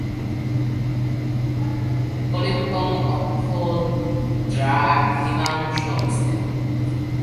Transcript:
কালিম্পং অক্ষ-দ্রাঘিমাংশে অবস্থিত।